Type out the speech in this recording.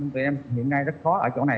tụi em hiện nay rất khó ở chỗ này